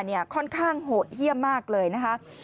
เนี่ยค่อนข้างโหดเฮียนมากเลยนะครับ